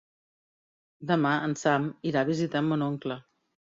Demà en Sam irà a visitar mon oncle.